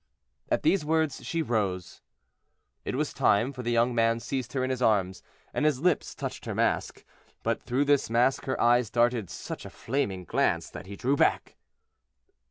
At these words she rose. It was time, for the young man seized her in his arms, and his lips touched her mask; but through this mask her eyes darted such a flaming glance that he drew back.